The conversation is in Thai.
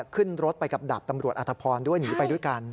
ขึ้นรถไปกับดาบตำรวจอธพรด้วยหนีไปด้วยกัน